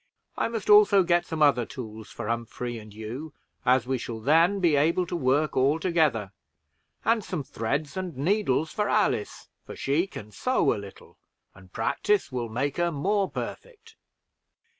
I must also get some other tools for Humphrey and you, as we shall then be able to work all together; and some threads and needles for Alice, for she can sew a little, and practice will make her more perfect."